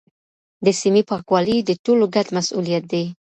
د سیمې پاکوالی د ټولو ګډ مسوولیت دی.